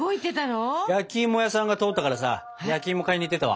焼き芋屋さんが通ったからさ焼き芋買いに行ってきたわ。